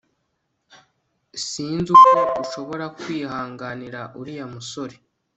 Sinzi uko ushobora kwihanganira uriya musore